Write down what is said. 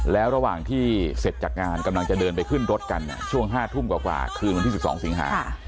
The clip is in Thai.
แล้วระหว่างที่เสร็จจากงานกำลังจะเดินไปขึ้นรถกันช่วง๕ทุ่มกว่าคืนวันที่๑๒สิงหา